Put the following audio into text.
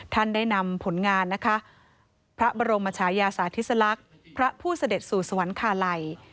ท่านได้นำผลงานนะคะพระบรมชายาสาธิสลักษณ์พระผู้เสด็จสู่สวรรคาลัย